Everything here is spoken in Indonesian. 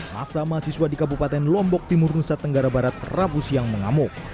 masa mahasiswa di kabupaten lombok timur nusa tenggara barat rabu siang mengamuk